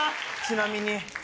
ちなみに？